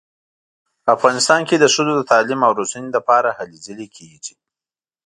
افغانستان کې د ښځو د تعلیم او روزنې لپاره هلې ځلې کیږي